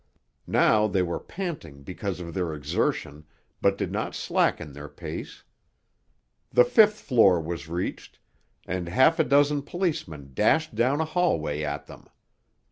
Now they were panting because of their exertion, but did not slacken their pace. The fifth floor was reached, and half a dozen policemen dashed down a hallway at them.